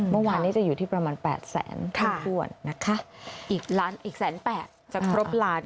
เมื่อวานนี้จะอยู่ที่ประมาณ๘แสนค่ะอีก๑๐๘จะครบล้าน